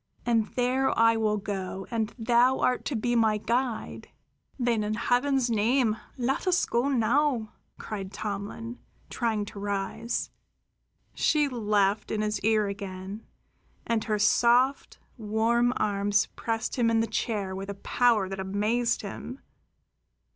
And there I will go, and thou art to be my guide." "Then, in Heaven's name, let us go now!" cried Tomlin, trying to rise. She laughed in his ear again, and her soft, warm arms pressed him back in the chair with a power that amazed him.